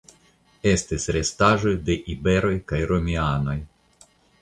Estis restaĵoj de iberoj kaj romianoj.